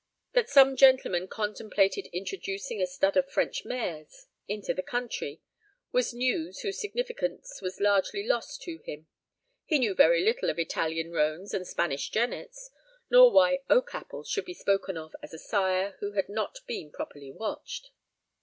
That some gentleman contemplated introducing a stud of French mares into the country was news whose significance was largely lost to him. He knew very little of Italian roans and Spanish jennets, nor why "Oak Apple" should be spoken of as a sire who had not been properly watched.